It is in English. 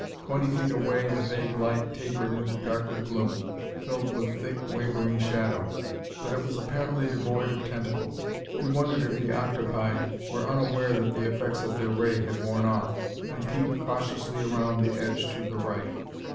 Twenty feet away the vague light tapered into darker gloom, filled with thick, wavering shadows; but it was apparently devoid of tentacles. He wondered if the octopi were unaware that the effects of their ray had worn off, and peeped cautiously around the edge to the right.